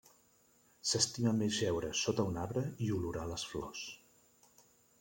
S'estima més jeure sota un arbre i olorar les flors.